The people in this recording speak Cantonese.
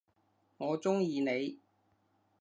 我中意你！